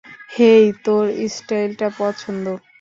হেই, তোর স্টাইলটা পছন্দ।